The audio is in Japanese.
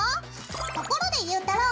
ところでゆうたろう。